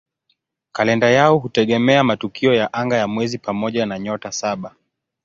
Kalenda yao hutegemea matukio ya anga ya mwezi pamoja na "Nyota Saba".